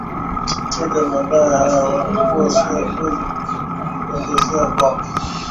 ikitaja madai hayo kuwa si ya kweli ikiongezea kwamba